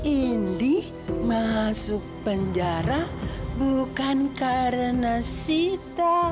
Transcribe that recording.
indi masuk penjara bukan karena kita